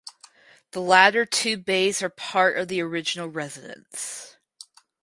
The latter two bays are part of the original residence.